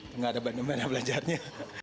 tapi tidak ada mana mana belajarnya